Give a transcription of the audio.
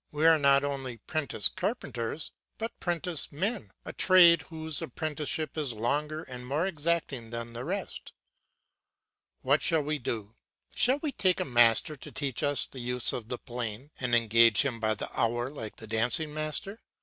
We are not only 'prentice carpenters but 'prentice men a trade whose apprenticeship is longer and more exacting than the rest. What shall we do? Shall we take a master to teach us the use of the plane and engage him by the hour like the dancing master?